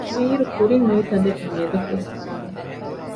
ވީއިރު ކުރިން ނުވިތަދެއް މިއަދަކުވެސް ނުވާނެ